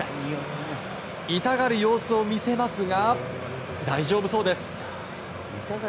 痛がる様子を見せますが大丈夫そうです。